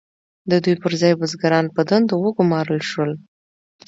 د دوی پر ځای بزګران په دندو وګمارل شول.